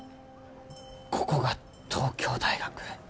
ここが東京大学。